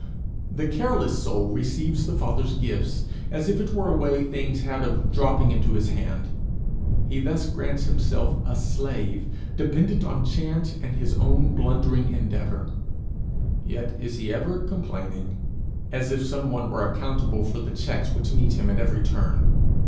The careless soul receives the Father's gifts as if it were a way things had of dropping into his hand. He thus grants himself a slave, dependent on chance and his own blundering endeavour yet is he ever complaining, as if some one were accountable for the checks which meet him at every turn.